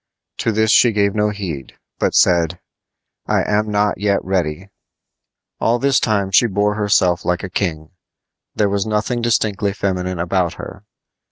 To this she gave no heed, but said: "I am not yet ready." All this time she bore herself like a king. There was nothing distinctly feminine about her.